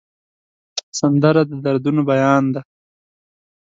سندره د دردونو بیان ده